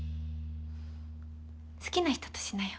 好きな人としなよ